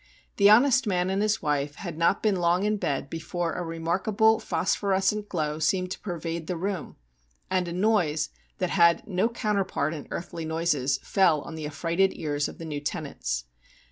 The honest man and his wife had not been long in bed before a remarkable phosphorescent glow seemed to pervade the room, and a noise that had no counter part in earthly noises fell on the affrighted ears of the new tenants.